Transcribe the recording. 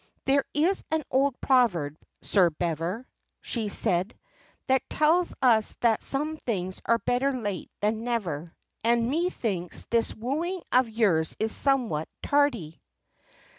"'There is an old proverb, Sir Bever,' she said, 'that tells us that some things are better late than never; and methinks this wooing of yours is somewhat tardy.'